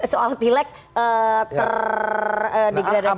soal pilak terdegradasi oleh pilpres